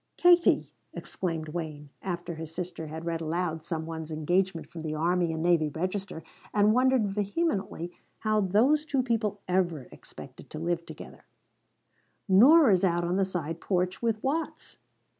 "Katie," exclaimed Wayne, after his sister had read aloud some one's engagement from the Army and Navy Register, and wondered vehemently how those two people ever expected to live together, "Nora's out on the side porch with Watts!"